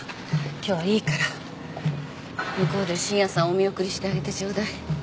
今日はいいから向こうで信也さんをお見送りしてあげてちょうだい。